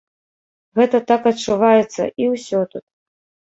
Гэта так адчуваецца, і ўсё тут.